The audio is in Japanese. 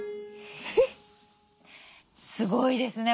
すごいですね。